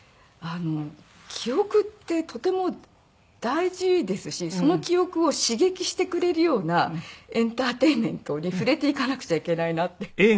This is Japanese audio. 記憶ってとても大事ですしその記憶を刺激してくれるようなエンターテインメントに触れていかなくちゃいけないなって思いました。